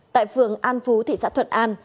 tại phường an phú thị xã thuận an